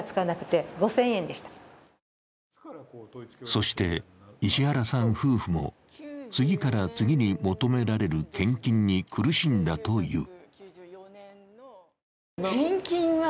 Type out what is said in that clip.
そして、石原さん夫婦も次から次に求められる献金に苦しんだという。